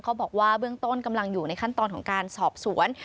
บอกว่าเบื้องต้นกำลังอยู่ในขั้นตอนของการสอบสวน